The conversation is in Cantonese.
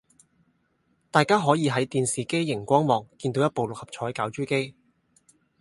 大家可以喺電視機營光幕見到一部六合彩攪珠機